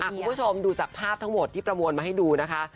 คุณผู้ชมดูจากภาพทั้งหมดที่ประมวลมาให้ดูนะคะ